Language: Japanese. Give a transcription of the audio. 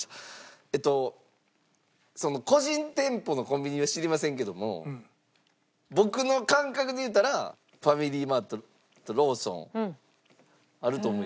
えっと個人店舗のコンビニは知りませんけども僕の感覚でいったらファミリーマートとローソンあると思います。